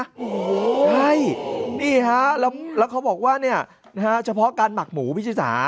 ใช่ที่ธแล้วเขาบอกว่าเนี่ยนะฮะเฉพาะการหมักหมูพิชษา